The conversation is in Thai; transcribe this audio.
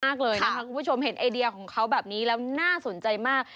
คุณผู้ชมเห็นไอเดียของเขาแบบนี้แล้วน่าสนใจมาก